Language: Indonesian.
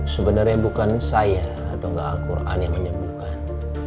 sebenernya bukan saya atau al quran yang menyembuhkan